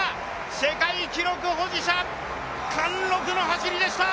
世界記録保持者、貫禄の走りでした！